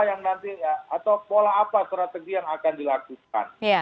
atau pola apa strategi yang akan dilakukan